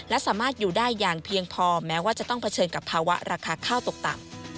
และสามารถอยู่ได้อย่างเพียงพอแม้ว่าจะต้องเผชิญกับภาวะราคาข้าวตกต่ำ